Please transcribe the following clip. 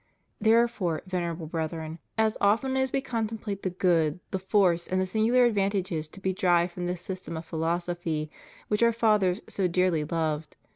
Therefore, Venerable Brethem, as often as We con template the good, the force, and the singular advantages to be derived from this system of pMlosophy which Our Fathers so dearly loved.